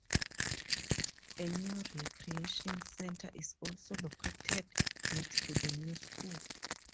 A new recreation center is also located next to the new school.